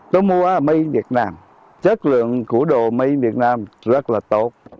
tôi mua ở mây việt nam chất lượng của đồ mây việt nam rất là tốt